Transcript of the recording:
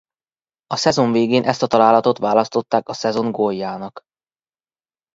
A szezon végén ezt a találatot választották a szezon góljának.